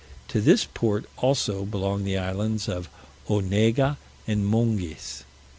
To this port also belong the islands of Onega and Monges.